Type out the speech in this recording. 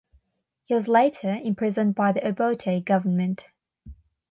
He was later imprisoned by the Obote government.